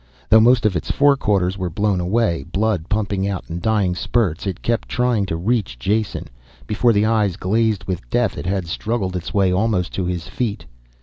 Though most of its forequarters were blown away, blood pumping out in dying spurts, it kept trying to reach Jason. Before the eyes glazed with death it had struggled its way almost to his feet.